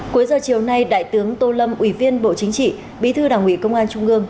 cuối giờ chiều nay đại tướng tô lâm ủy viên bộ chính trị bí thư đảng ủy công an trung ương